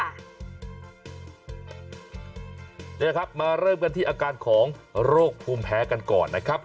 นี่แหละครับมาเริ่มกันที่อาการของโรคภูมิแพ้กันก่อนนะครับ